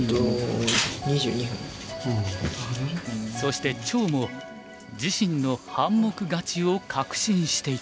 そして張も自身の半目勝ちを確信していた。